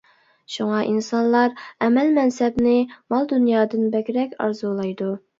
شۇڭا ئىنسانلار ئەمەل-مەنسەپنى مال-دۇنيادىن بەكرەك ئارزۇلايدۇ.